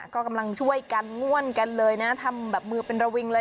ก็กำลังช่วยกันง่วนกันเลยนะทำแบบมือเป็นระวิงเลย